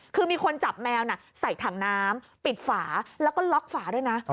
คือมีคนจับแมวใส่ถังน้ำปิดฝาแล้วก็ล็อกฝาด้วยนะ